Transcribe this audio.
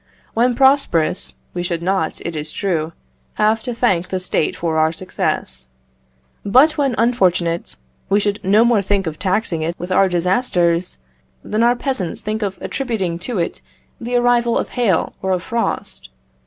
When prosperous, we should not, it is true, have to thank the State for our success; but when unfortunate, we should no more think of taxing it with our disasters, than our peasants think of attributing to it the arrival of hail or of frost.